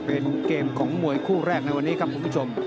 เป็นเกมของมวยคู่แรกในวันนี้ครับคุณผู้ชม